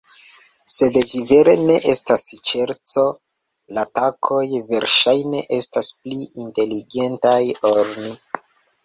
Sed ĝi vere ne estas ŝerco, la katoj versaĵne estas pli inteligentaj ol ni.